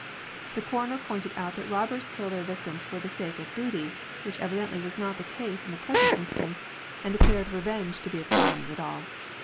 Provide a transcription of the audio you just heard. The coroner pointed out that robbers kill their victims for the sake of booty, which evidently was not the case in the present instance, and declared revenge to be at the bottom of it all.